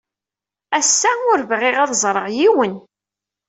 Ass-a, ur bɣiɣ ad ẓreɣ yiwen.